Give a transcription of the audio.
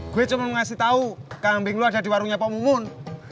gue cuma mau ngasih tau kambing lo ada di warungnya pemumun